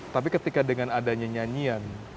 tapi ketika dengan adanya nyanyian